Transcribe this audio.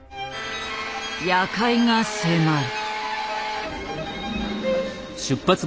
夜会が迫る。